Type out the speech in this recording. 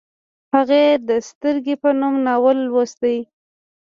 هغې د سترګې په نوم ناول لوست